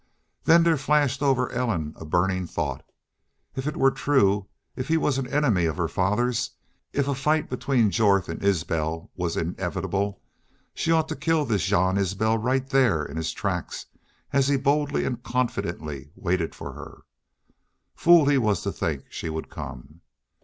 Then there flashed over Ellen a burning thought if it were true, if he was an enemy of her father's, if a fight between Jorth and Isbel was inevitable, she ought to kill this Jean Isbel right there in his tracks as he boldly and confidently waited for her. Fool he was to think she would come.